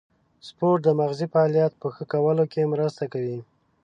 سپورت د مغزي فعالیت په ښه کولو کې مرسته کوي.